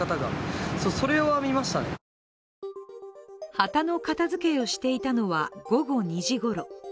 旗の片づけをしていたのは午後２時ごろ。